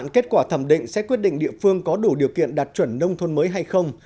kết quả thẩm định sẽ quyết định địa phương có đủ điều kiện đạt chuẩn nông thôn mới hay không